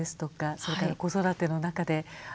それから子育ての中であ